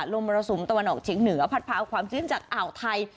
มรสุมตะวันออกเฉียงเหนือพัดพาความชื้นจากอ่าวไทย